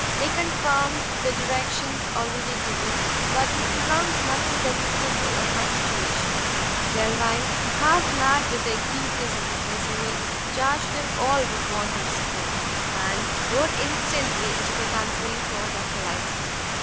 They confirmed the directions already given, but would pronounce nothing decisively of her situation. Delvile, half mad with the acuteness of his misery, charged them all with want of skill, and wrote instantly into the country for Dr Lyster.